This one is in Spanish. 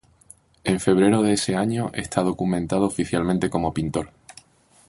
En febrero de ese año está documentado oficialmente como pintor.